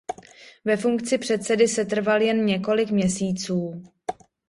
Ve funkci předsedy setrval jen několik měsíců.